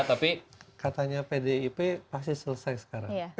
tapi katanya pdip pasti selesai sekarang